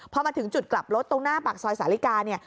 พอมาถึงจุดกลับรถตรงหน้าปากซอยสาลิกาเนี่ย